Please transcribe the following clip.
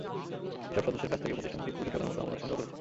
এসব সদস্যের কাছ থেকে প্রতিষ্ঠানটি কোটি টাকার মতো আমানত সংগ্রহ করেছে।